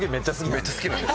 めっちゃ好きなんで。